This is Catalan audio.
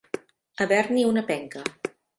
Haver-n'hi una penca.